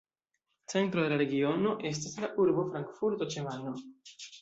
Centro de la regiono estas la urbo Frankfurto ĉe Majno.